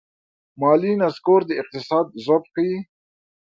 مالي نسکور د اقتصاد ضعف ښيي.